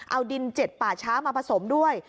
เอาดิน๗ป่าช้ามาผสมด้วย